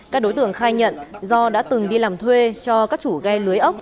các đối tượng khai nhận do đã từng đi làm thuê cho các chủ ghe lưới ốc